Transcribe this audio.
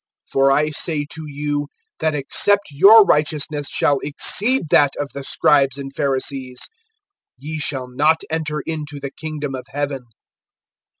(20)For I say to you, that except your righteousness shall exceed that of the scribes and Pharisees, ye shall not enter into the kingdom of heaven.